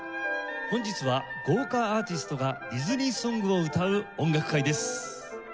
本日は豪華アーティストがディズニーソングを歌う音楽会です。